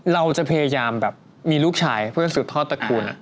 เราจะพยายามแบบมีลูกชายเพื่อจะสืบทอดตระกูล